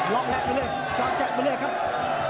ล็อกแหละไปเลยจอกแจ๊ะไปเลยครับ